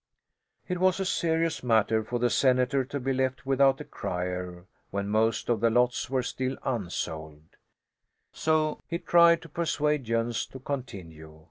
It was a serious matter for the senator to be left without a crier, when most of the lots were still unsold; so he tried to persuade Jöns to continue.